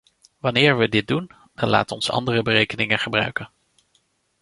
Wanneer we dit doen, dan laat ons andere berekeningen gebruiken.